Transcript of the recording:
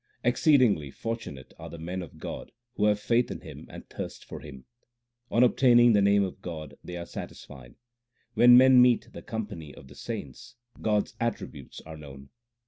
Exceedingly fortunate are the men of God who have faith in Him and thirst for Him : On obtaining the name of God, they are satisfied ; when men meet the company of the saints, God s attributes are known.